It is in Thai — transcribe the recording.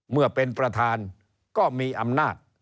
เมื่อเป็นประธานก็มีอำนาจ